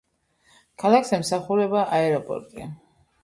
ქალაქს ემსახურება აეროპორტი.